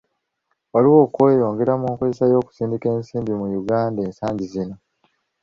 Waliwo okweyongera mu nkozesa y'okusindika ensimbi mu Uganda ensangi zino.